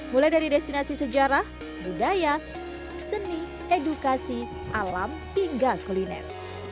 mulai dari destinasi sejarah budaya seni edukasi alam hingga kuliner